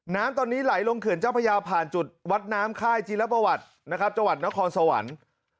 น้ำตอนนี้ไหลลงเขื่อนเจ้าพระยาผ่านจุดวัดน้ำค่ายจีรประวัตินะครับจังหวัดนครสวรรค์